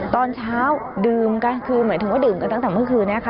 ตอนเช้าดื่มกันคือหมายถึงว่าดื่มกันตั้งแต่เมื่อคืนนี้ค่ะ